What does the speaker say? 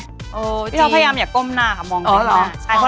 พี่เราพยายามอย่าก้มหน้าค่ะมองไปหน้า